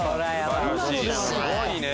すごいね。